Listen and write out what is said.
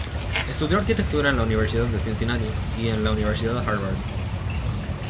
Estudió arquitectura en la Universidad de Cincinnati y en la Universidad Harvard.